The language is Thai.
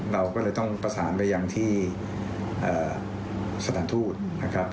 เราก็เลยต้องประสานไปยังที่สถานทูตนะครับ